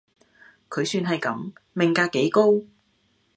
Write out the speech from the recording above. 佢算係噉，命格幾高